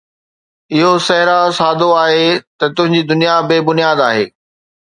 اهو صحرا سادو آهي، ته تنهنجي دنيا بي بنياد آهي